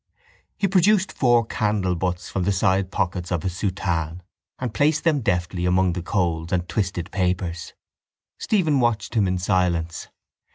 He produced four candle butts from the sidepockets of his soutane and placed them deftly among the coals and twisted papers. Stephen watched him in silence.